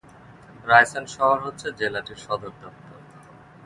Ryzen শহর হচ্ছে জেলাটির সদর দপ্তর।